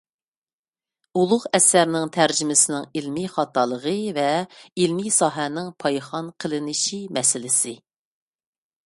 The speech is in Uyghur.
ئۇلۇغ ئەسەرنىڭ تەرجىمىسىنىڭ ئىلمىي خاتالىقى ۋە ئىلمىي ساھەنىڭ پايخان قىلىنىشى مەسىلىسى